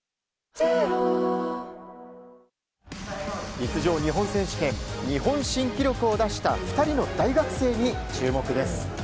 陸上日本選手権。日本新記録を出した２人の大学生に注目です。